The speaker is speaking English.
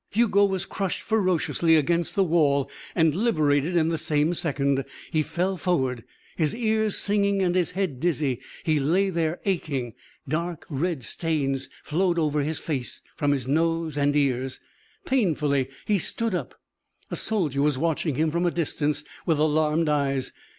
Hugo was crushed ferociously against the wall and liberated in the same second. He fell forward, his ears singing and his head dizzy. He lay there, aching. Dark red stains flowed over his face from his nose and ears. Painfully he stood up. A soldier was watching him from a distance with alarmed eyes.